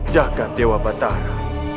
jaga dewa batara